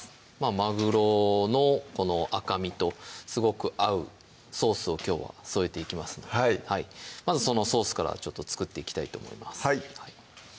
まぐろのこの赤身とすごく合うソースをきょうは添えていきますのでまずそのソースから作っていきたいと思います